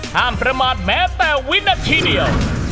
ประมาทแม้แต่วินาทีเดียว